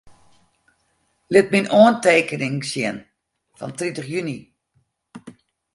Lit myn oantekeningen sjen fan tritich juny.